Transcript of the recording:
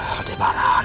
hal di barang